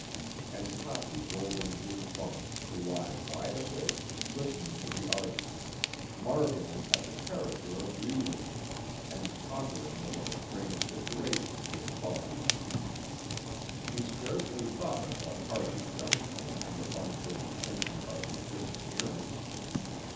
And Toppy rolled into his bunk, to lie wide awake, listening to the argument, marvelling at the character of Reivers, and pondering over the strange situation he had fallen into. He scarcely thought of what Harvey Duncombe and the bunch would be thinking about his disappearance.